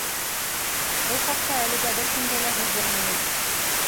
Был хаҡта әлегә бер кемгә лә һиҙҙермәйек.